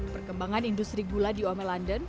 perkembangan industri gula di ome london